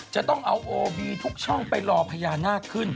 จะต้องเอาโอบีทุกช่องไปรอพญานาคขึ้น